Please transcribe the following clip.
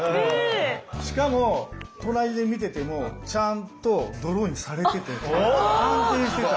しかも隣で見ててもちゃんとドローインされてて安定してた。